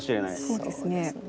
そうですね。